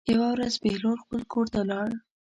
یوه ورځ بهلول خپل کور ته لاړ.